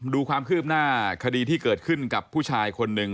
ดูความคืบหน้าคดีที่เกิดขึ้นกับผู้ชายคนหนึ่ง